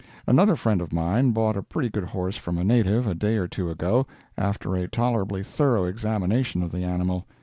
Another friend of mine bought a pretty good horse from a native, a day or two ago, after a tolerably thorough examination of the animal.